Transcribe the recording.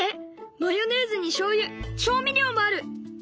マヨネーズにしょうゆ調味料もある！